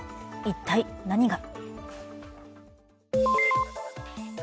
一体何が？